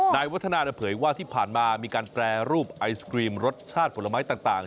นายวัฒนาเผยว่าที่ผ่านมามีการแปรรูปไอศกรีมรสชาติผลไม้ต่าง